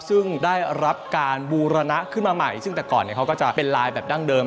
ซึ่งได้รับการบูรณะขึ้นมาใหม่ซึ่งแต่ก่อนเขาก็จะเป็นลายแบบดั้งเดิม